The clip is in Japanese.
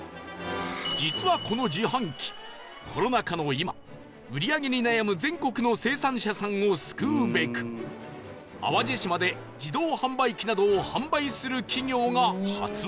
実はこの自販機コロナ禍の今売り上げに悩む全国の生産者さんを救うべく淡路島で自動販売機などを販売する企業が発案